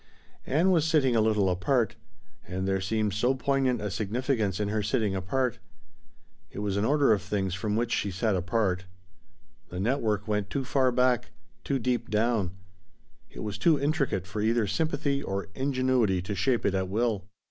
Ann was sitting a little apart. And there seemed so poignant a significance in her sitting apart. It was an order of things from which she sat apart. The network went too far back, too deep down; it was too intricate for either sympathy or ingenuity to shape it at will.